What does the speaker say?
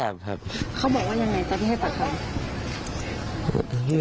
มั้ยไม่ทราบครับเขาบอกว่ายังไงติดให้ปากคามไม่